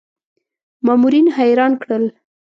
مامورین حیران کړل.